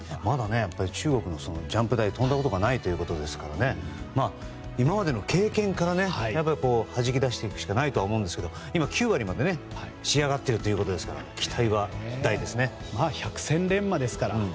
まだ、中国のジャンプ台を飛んだことがないということですから今までの経験からはじき出していくしかないと思うんですが今９割まで、仕上がっているということですから百戦錬磨ですから。